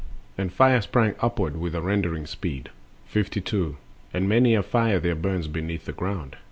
And fire sprang upward with a rending speed. The Volcano. 52. And many a fire there burns beneath the ground.